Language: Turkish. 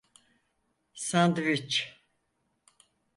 Sandviç…